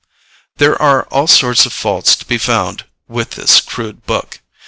There are all sorts of faults to be found with this crude book.